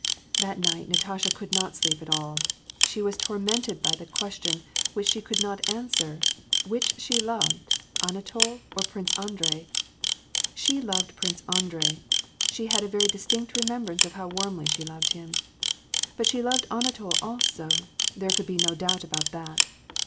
That night Natasha could not sleep at all. She was tor mented by the question, which she could not answer, which she loved, Anatol or Prince Andrei ? She loved Prince Andrei, — she had a very distinct remembrance of how warmly she loved him. But she loved Anatol also, there could be no doubt about that.